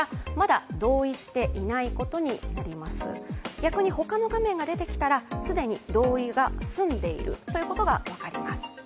逆にほかの画面が出てきたら、既に同意が済んでいたということが分かります。